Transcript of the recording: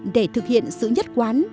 để thực hiện sự nhất quán